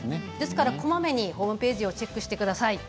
こまめにホームページをチェックしてみてください。